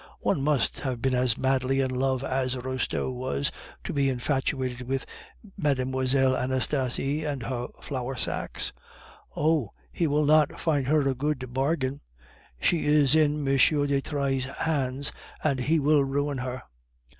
One must have been as madly in love as Restaud was, to be infatuated with Mlle. Anastasie and her flour sacks. Oh! he will not find her a good bargain! She is in M. de Trailles' hands, and he will ruin her."